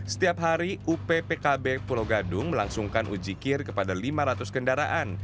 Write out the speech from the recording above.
setiap hari uppkb pulau gadung melangsungkan uji kir kepada lima ratus kendaraan